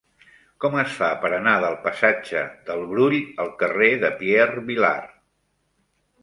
Com es fa per anar del passatge del Brull al carrer de Pierre Vilar?